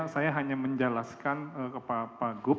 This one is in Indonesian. saya hanya menjelaskan ke pak gup